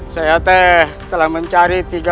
saya telah mencari